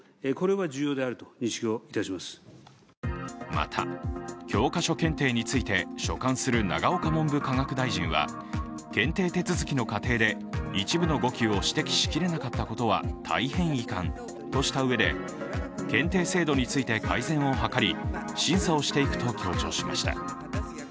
また、教科書検定について所管する永岡文部科学大臣は検定手続きの過程で一部の誤記を指摘しきれなかったことは大変遺憾としたうえで、検定制度について改善を図り審査をしていくと強調しました。